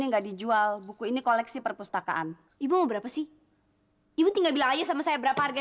gue yang mau gilir lo